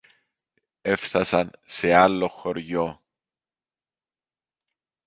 Έφθασαν σε άλλο χωριό